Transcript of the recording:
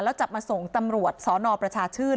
แล้วจับมาส่งตำรวจสนประชาชื่น